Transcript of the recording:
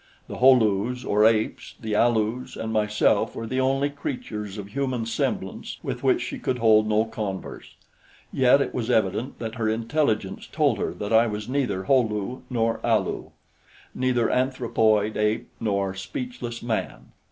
The Ho lus, or apes, the Alus and myself were the only creatures of human semblance with which she could hold no converse; yet it was evident that her intelligence told her that I was neither Ho lu nor Alu, neither anthropoid ape nor speechless man.